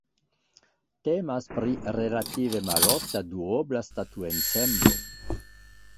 Temas pri relative malofta duobla statuensemblo.